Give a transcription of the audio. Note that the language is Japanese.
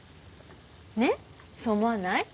ねえそう思わない？